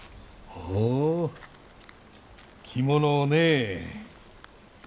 ほう着物をね。